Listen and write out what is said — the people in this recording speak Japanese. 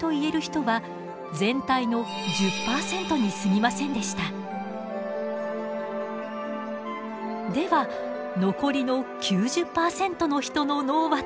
では残りの９０％の人の脳はというと。